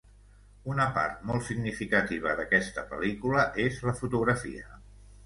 Una part molt significativa d'aquesta pel·lícula és la fotografia.